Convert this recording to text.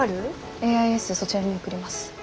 ＡＩＳをそちらに送ります。